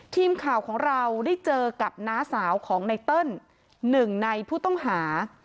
ทีมข่าวของเราได้เจอกับน้าสาวของไนเติ้ลหนึ่งในผู้ต้องหา